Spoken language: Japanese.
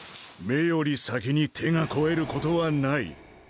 「目より先に手が肥えることはない」